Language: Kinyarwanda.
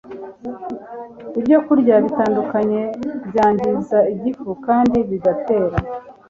ibyokurya bitandukanye byangiza igifu kandi bigatera